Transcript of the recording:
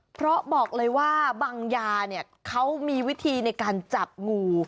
เพราะบอกเลยว่าบางยาเนี่ยเขามีวิธีในการจับงู